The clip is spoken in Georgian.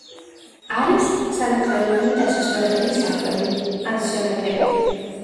არის სანატორიუმები, დასასვენებელი სახლები, პანსიონატები.